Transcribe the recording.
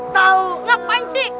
tau ngapain sih